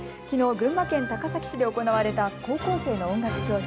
群馬県高崎市で行われた高校生の音楽教室。